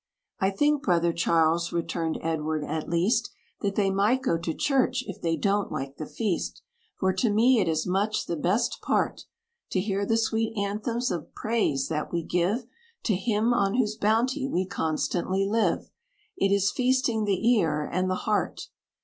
"I think, brother Charles," returned Edward "at least, That they might go to church, if they don't like the feast; For to me it is much the best part, To hear the sweet anthems of praise, that we give To Him, on whose bounty we constantly live: It is feasting the ear and the heart.